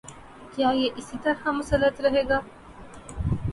کیا یہ اسی طرح مسلط رہے گا؟